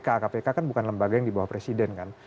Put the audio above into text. padahal misalkan kpk kpk kan bukan lembaga yang dibawah presiden kan